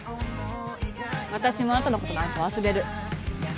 私もあんたのことなんか忘れる。